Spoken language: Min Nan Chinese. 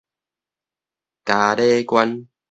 傀儡關